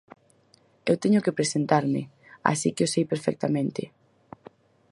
Eu teño que presentarme, así que o sei perfectamente.